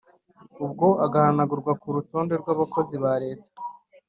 ubwo agahanagurwa ku rutonde rw’abakozi ba leta.